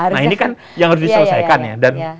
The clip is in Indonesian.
nah ini kan yang harus diselesaikan ya